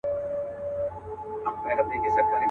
که نسيم الوزي اِېرې اوروي.